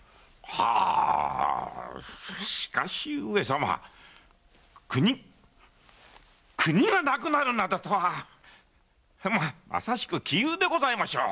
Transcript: はぁしかし上様国がなくなるなどとはまさしく杞憂でございましょう。